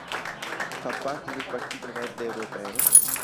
Fa parte del Partito Verde Europeo.